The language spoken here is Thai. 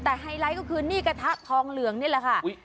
แต่ไฮไลท์ก็คือนี่กระทะทองเหลืองนี่แหละค่ะ